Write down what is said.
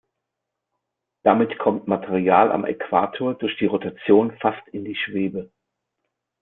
Damit kommt Material am Äquator durch die Rotation fast in die Schwebe.